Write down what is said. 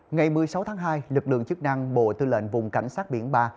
ngày một mươi sáu tháng hai lực lượng chức năng bộ tư lệnh vùng cảnh sát biển ba